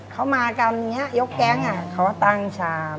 เขามากันยกแก๊งเขาตั้งชาม